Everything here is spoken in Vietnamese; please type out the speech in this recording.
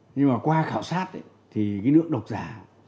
nhưng mà qua khảo sát thì cái nước độc giả